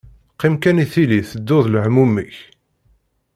Qqim kan i tili tettuḍ lehmum-ik.